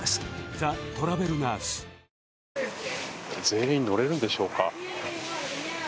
全員乗れるのでしょうか。